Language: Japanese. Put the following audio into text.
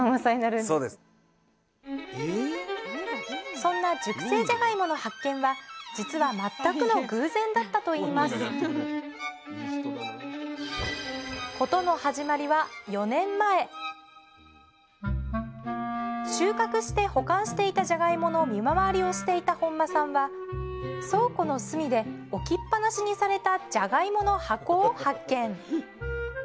そんな熟成じゃがいもの発見は実は全くの偶然だったといいます事の始まりは収穫して保管していたじゃがいもの見回りをしていた本間さんは倉庫の隅で置きっぱなしにされたじゃがいもの箱を発見。